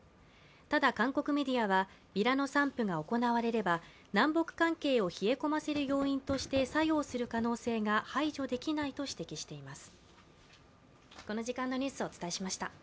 ただ、韓国ではビラの散布が行われれば南北関係を冷え込ませる要因として作用する可能性が排除できないと指摘しています。